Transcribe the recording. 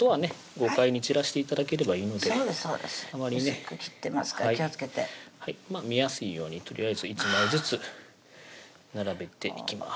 豪快に散らして頂ければいいのであまりね薄く切ってますから気をつけて見やすいようにとりあえず１枚ずつ並べていきます